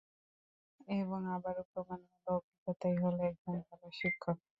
এবং আবারও প্রমাণ হল - অভিজ্ঞতাই হল একজন ভালো শিক্ষক।